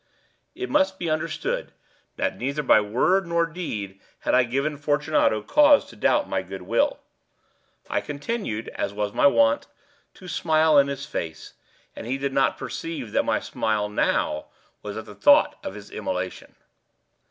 It must be understood, that neither by word nor deed had I given Fortunato cause to doubt my good will. I continued, as was my wont, to smile in his face, and he did not perceive that my smile now was at the thought of his immolation.